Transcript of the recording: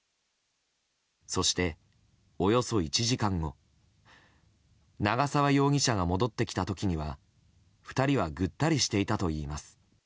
そして、およそ１時間後長沢容疑者が戻ってきた時には２人はぐったりしていたといいます。